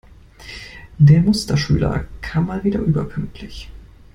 Der Musterschüler kam mal wieder überpünktlich.